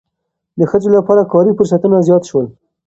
د ښځو لپاره کاري فرصتونه زیات شول.